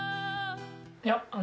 いや。